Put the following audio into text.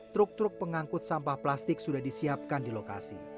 truk truk pengangkut sampah plastik sudah disiapkan di lokasi